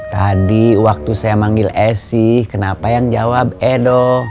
tadi waktu saya manggil esi kenapa yang jawab edo